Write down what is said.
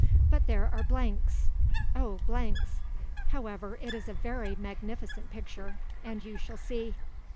But there are blanks! oh blanks! However, it is a very magnificent picture and you shall see.